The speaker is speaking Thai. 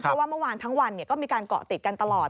เพราะว่าเมื่อวานทั้งวันก็มีการเกาะติดกันตลอด